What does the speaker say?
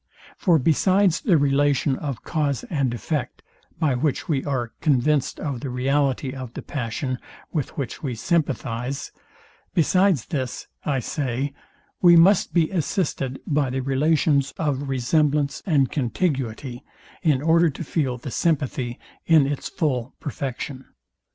For besides the relation of cause and effect, by which we are convinced of the reality of the passion, with which we sympathize; besides this, I say, we must be assisted by the relations of resemblance and contiguity, in order to feel the sympathy in its full perfection.